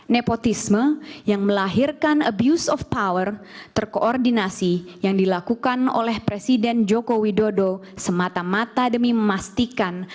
nepotisme yang melahirkan abuse of power terkoordinasi yang dilakukan oleh presiden joko widodo semata mata demi memastikan